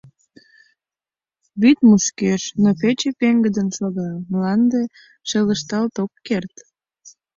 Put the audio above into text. Вӱд мушкеш, но пече пеҥгыдын шога, мланде шелышталт ок керт.